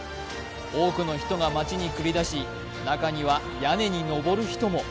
多くの人が街に繰り出し中には屋根に上る人も。